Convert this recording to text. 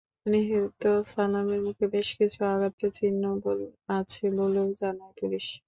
নিহত সালামের মুখে বেশ কিছু আঘাতের চিহ্ন আছে বলেও জানায় পুলিশ।